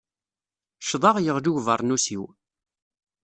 Ccḍeɣ, yeɣli ubeṛnus-iw.